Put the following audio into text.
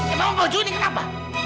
emang baju ini kenapa